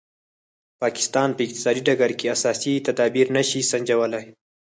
پاکستان په اقتصادي ډګر کې اساسي تدابیر نه شي سنجولای.